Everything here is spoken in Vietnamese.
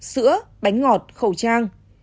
sữa bánh ngọt khẩu trang